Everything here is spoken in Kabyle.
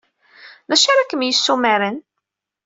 D acu ara kem-yessumaren?